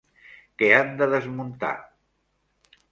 Què han de desmuntar?